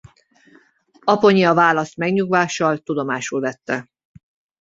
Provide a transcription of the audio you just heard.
Apponyi a választ megnyugvással tudomásul vette.